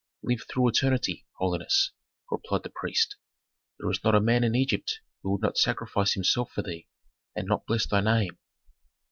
"Live through eternity, holiness!" replied the priest. "There is not a man in Egypt who would not sacrifice himself for thee, and not bless thy name."